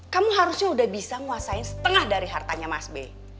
kamu harusnya udah bisa nguasain setengah dari hartanya mas b